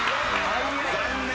残念。